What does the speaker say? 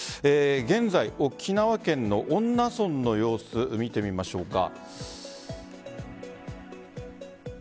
現在、沖縄県の恩納村の様子見てみましょうか。